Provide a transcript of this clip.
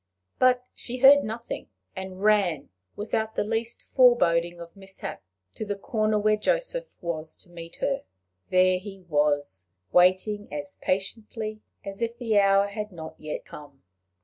But she heard nothing, and ran, without the least foreboding of mishap, to the corner where Joseph was to meet her. There he was, waiting as patiently as if the hour had not yet come.